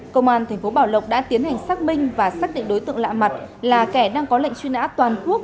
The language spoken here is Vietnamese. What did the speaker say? công an tp bảo lộc đã tiến hành xác minh và xác định đối tượng lạ mặt là kẻ đang có lệnh truy nã toàn quốc